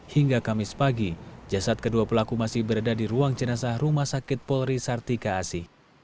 hingga kamis pagi jasad kedua pelaku masih berada di ruang jenazah rumah sakit polri sartika asi